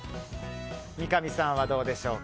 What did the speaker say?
三上さんはどうでしょうか。